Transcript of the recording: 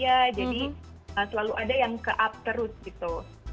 jadi selalu ada yang ke up terus gitu